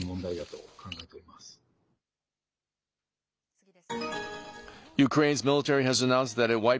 次です。